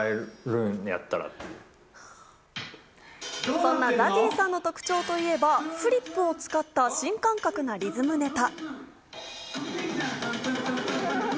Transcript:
そんなＺＡＺＹさんの特徴といえばフリップを使った新感覚なリズムネタ。